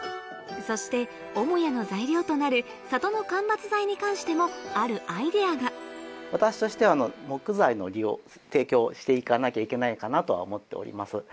そして母屋の材料となる里の間伐材に関してもあるアイデアが私としては木材の提供をして行かなきゃいけないかなとは思っております。